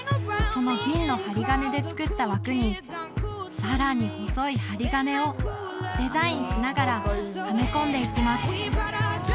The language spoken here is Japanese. その銀の針金で作った枠にさらに細い針金をデザインしながらはめ込んでいきます